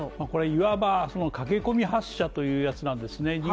これいわばその駆け込み発射というやつなんですね